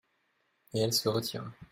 Et elle se retira.